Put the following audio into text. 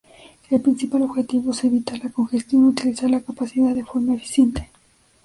El principal objetivo es evitar la congestión y utilizar la capacidad de forma eficiente.